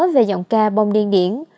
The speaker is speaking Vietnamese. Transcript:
về giọng ca bông điên điển